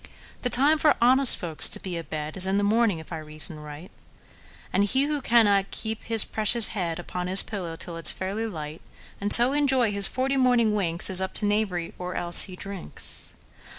The time for honest folks to be a bedIs in the morning, if I reason right; And he who cannot keep his precious headUpon his pillow till it 's fairly light, And so enjoy his forty morning winks, Is up to knavery; or else—he drinks!